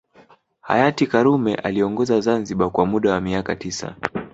Hayati karume aliongoza Zanzibar kwa muda wa miaka tisa